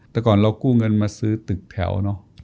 แต่ก่อนเรากู้เงินมาซื้อตึกแถวเนอะ